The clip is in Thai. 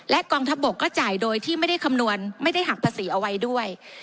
กองทัพบกก็จ่ายโดยที่ไม่ได้คำนวณไม่ได้หักภาษีเอาไว้ด้วย